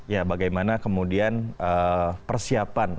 ya bagaimana kemudian persiapan